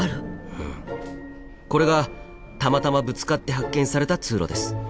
これがたまたまぶつかって発見された通路です。